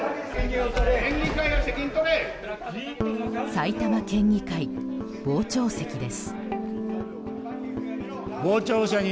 埼玉県議会、傍聴席です。